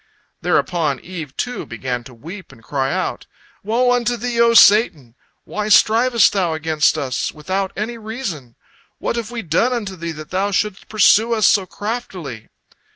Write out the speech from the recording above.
Thereupon Eve, too, began to weep and cry out: "Woe unto thee, O Satan! Why strivest thou against us without any reason? What have we done unto thee that thou shouldst pursue us so craftily?"